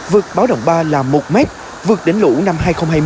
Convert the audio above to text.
vượt báo động ba là một mét vượt đến lũ năm hai nghìn hai mươi